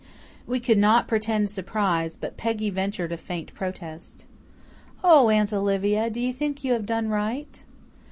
We could not pretend surprise, but Peggy ventured a faint protest. "Oh, Aunt Olivia, do you think you have done right?"